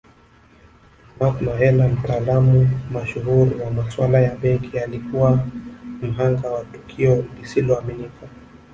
Mark Mahela mtaalamu mashuhuri wa masuala ya benki alikuwa mhanga wa tukio lisiloaminika